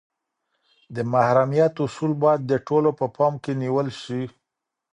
د محرمیت اصول باید د ټولو په پام کي نیول سي.